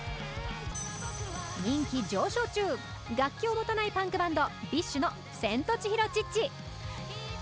人気上昇中楽器を持たないパンクバンドＢｉＳＨのセントチヒロ・チッチ。